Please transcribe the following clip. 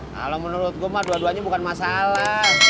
kalau menurut gue mah dua duanya bukan masalah